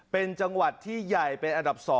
เป็นจังหวัดที่ใหญ่เป็นอันดับ๒